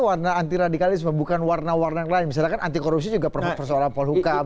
warna anti radikalisme bukan warna warna yang lain misalkan anti korupsi juga persoalan polhukam